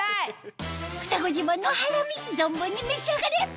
ふたご自慢のハラミ存分に召し上がれ！